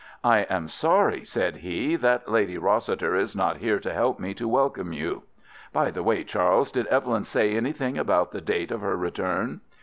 "I am sorry," said he, "that Lady Rossiter is not here to help me to welcome you. By the way, Charles, did Evelyn say anything about the date of her return?"